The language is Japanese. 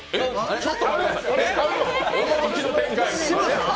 ちょっと待ってください、驚きの展開。